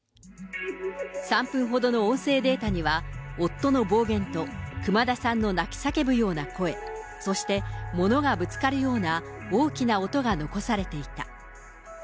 ３分ほどの音声データには夫の暴言と、熊田さんの泣き叫ぶような声、そして物がぶつかるような大きな音が残されていた。